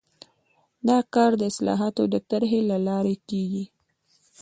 دا کار د اصلاحاتو د طرحې له لارې کیږي.